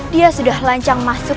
dia sudah lancang masuk